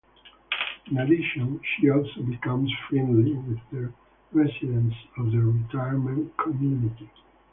In addition, she also becomes friendly with the residents of the retirement community.